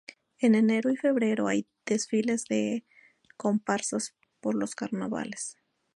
En enero y febrero hay desfiles de comparsas por los carnavales.